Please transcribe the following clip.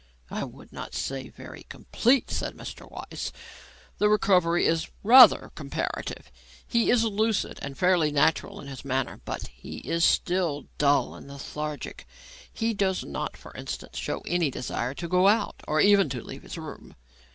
"I would not say very complete," said Mr. Weiss. "The recovery is rather comparative. He is lucid and fairly natural in his manner, but he is still dull and lethargic. He does not, for instance, show any desire to go out, or even to leave his room."